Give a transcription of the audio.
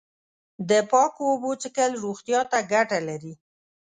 د پاکو اوبو څښل روغتیا ته گټه لري.